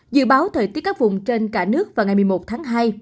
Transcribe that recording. dự báo thời tiết các vùng trên cả nước vào ngày một mươi một tháng hai